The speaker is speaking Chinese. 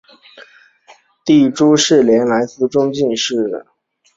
弟朱士廉也中进士。